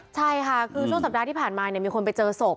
ใช่ค่ะคือช่วงสัปดาห์ที่ผ่านมามีคนไปเจอศพ